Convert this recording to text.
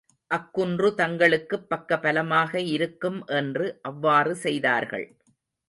அக்குன்று தங்களுக்குப் பக்க பலமாக இருக்கும் என்று அவ்வாறு செய்தார்கள்.